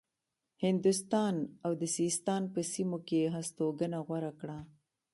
هندوستان او د سیستان په سیمو کې هستوګنه غوره کړه.